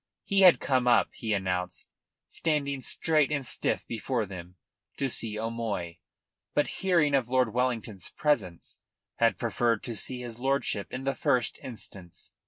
He had come up, he announced, standing straight and stiff before them, to see O'Moy, but hearing of Lord Wellington's presence, had preferred to see his lordship in the first instance.